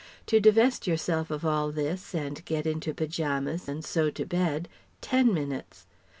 To divest yourself of all this and get into paijamas and so to bed: ten minutes.